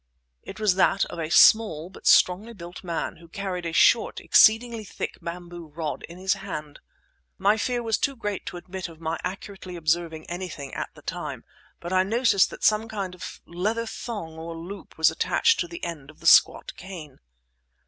It was that of a small but strongly built man, who carried a short, exceedingly thick bamboo rod in his hand. My fear was too great to admit of my accurately observing anything at that time, but I noticed that some kind of leather thong or loop was attached to the end of the squat cane.